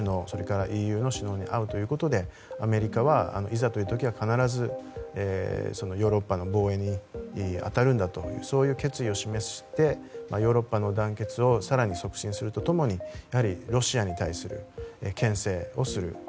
それからＥＵの首脳に会うということでアメリカはいざという時は必ずヨーロッパの防衛に当たるんだとそういう決意を示してヨーロッパの団結を更に促進すると共にロシアに対する牽制をする。